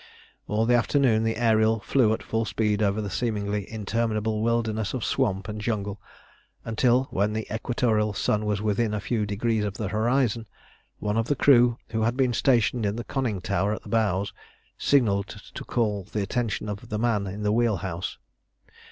All the afternoon the Ariel flew at full speed over the seemingly interminable wilderness of swamp and jungle, until, when the equatorial sun was within a few degrees of the horizon, one of the crew, who had been stationed in the conning tower at the bows, signalled to call the attention of the man in the wheel house.